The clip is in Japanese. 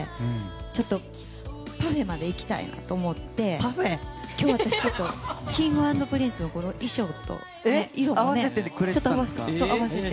ちょっとパフェまでいきたいなと思って今日、私Ｋｉｎｇ＆Ｐｒｉｎｃｅの衣装と色をちょっと合わせて。